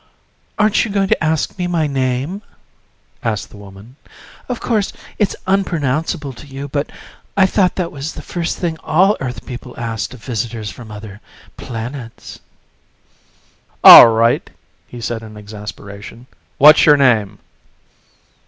"Aren't you going to ask me my name?" asked the woman. "Of course, it's unpronounceable to you, but I thought that was the first thing all Earth people asked of visitors from other planets." "All right," he said in exasperation. "What's your name?"